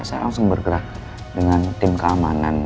saya langsung bergerak dengan tim keamanan